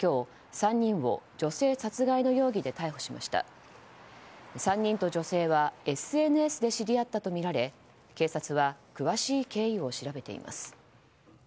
３人と女性はＳＮＳで知り合ったとみられ警察は詳しい経緯を調べています。